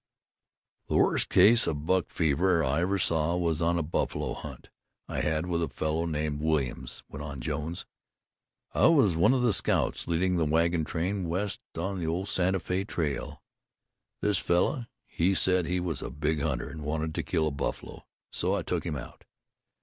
"The worst case of buck fever I ever saw was on a buffalo hunt I had with a fellow named Williams," went on Jones. "I was one of the scouts leading a wagon train west on the old Santa Fe trail. This fellow said he was a big hunter, and wanted to kill buffalo, so I took him out.